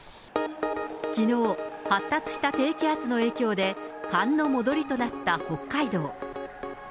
きのう、発達した低気圧の影響で、寒の戻りとなった北海道。